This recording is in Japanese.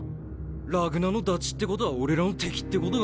ラグナのダチってことは俺らの敵ってことか？